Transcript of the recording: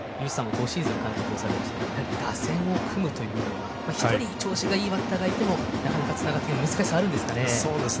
５シーズン監督をされましたけども打線を組むというのは１人調子がいいバッターがいてもなかなかつながりの難しさはありますよね。